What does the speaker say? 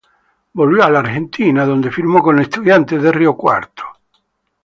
Volvió a la Argentina, donde firmó con Estudiantes de Río Cuarto.